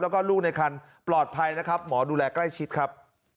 แล้วก็ลูกในคันปลอดภัยนะครับหมอดูแลใกล้ชิดครับ